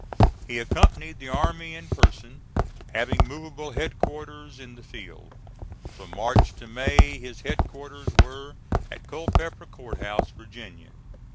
He accompanied the army in person, having movable headquarters in the field. From March to May his headquarters were at Culpeper Court House, Va.